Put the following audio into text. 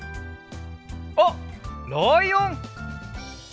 あっライオン！